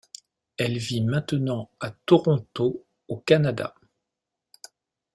Elle vit maintenant à Toronto au Canada.